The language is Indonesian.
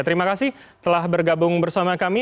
terima kasih telah bergabung bersama kami